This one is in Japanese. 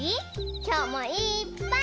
きょうもいっぱい。